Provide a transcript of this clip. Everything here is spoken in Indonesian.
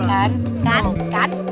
kan kan kan